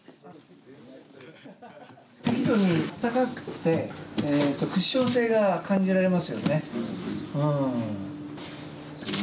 高くてクッション性が感じられますよね。